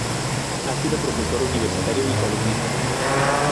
Ha sido profesor universitario y columnista.